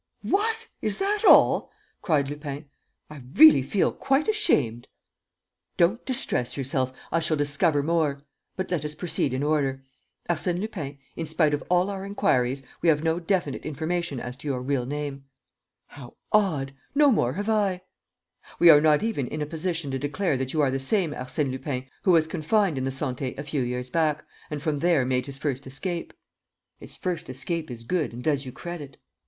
"What! Is that all?" cried Lupin. "I really feel quite ashamed." "Don't distress yourself! I shall discover more. But let us proceed in order. Arsène Lupin, in spite of all our inquiries, we have no definite information as to your real name." "How odd! No more have I!" "We are not even in a position to declare that you are the same Arsène Lupin who was confined in the Santé a few years back, and from there made his first escape." "'His first escape' is good, and does you credit."